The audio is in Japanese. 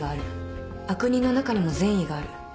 悪人の中にも善意がある。